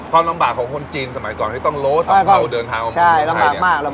ความลำบากของคนจีนสมัยก่อนที่ต้องโลสัมเภาเดินทางของคนไทยเนี่ย